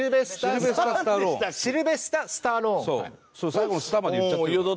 最後の「スタ」まで言っちゃってたから。